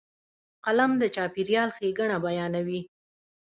قلم د چاپېریال ښېګڼه بیانوي